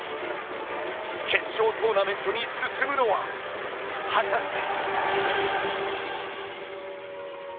決勝トーナメントに進むのは果たして。